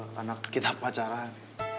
karena kita pacaran